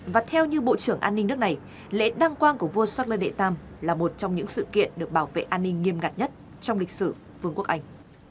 và theo như bộ trưởng an ninh nước này lễ đăng quang của vua sát lê đệ tam là một trong những sự kiện được bảo vệ an ninh nghiêm ngặt nhất trong lịch sử vương quốc anh